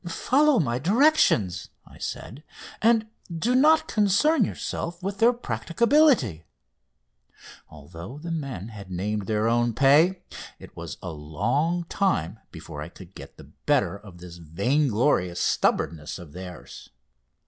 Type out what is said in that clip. "Follow my directions," I said, "and do not concern yourselves with their practicability!" Although the men had named their own pay, it was a long time before I could get the better of this vainglorious stubbornness of theirs.